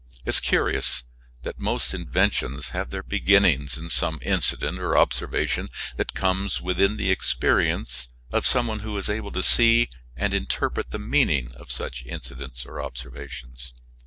It is a curious fact that most inventions have their beginnings in some incident or observation that comes within the experience of some one who is able to see and interpret the meaning of such incidents or observations.